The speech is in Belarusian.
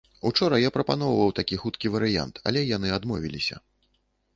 Учора я прапаноўваў такі хуткі варыянт, але яны адмовіліся.